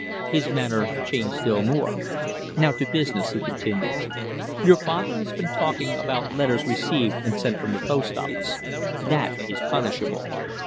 His manner changed still more. "Now to business," he continued. "Your father has been talking about letters received and sent from the post office. That is punishable.